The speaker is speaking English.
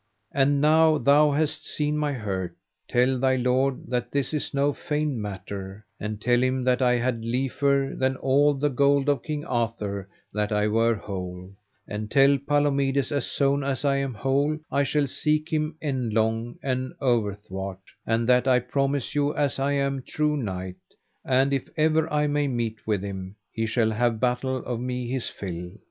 And now thou hast seen my hurt, tell thy lord that this is no feigned matter, and tell him that I had liefer than all the gold of King Arthur that I were whole; and tell Palomides as soon as I am whole I shall seek him endlong and overthwart, and that I promise you as I am true knight; and if ever I may meet with him, he shall have battle of me his fill.